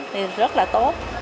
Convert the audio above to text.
thì rất là tốt